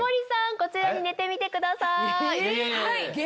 こちらに寝てみてください。